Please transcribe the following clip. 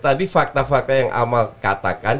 tadi fakta fakta yang amal katakan